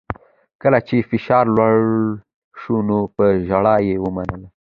کله چې فشار راوړل شو نو په ژړا یې ومنله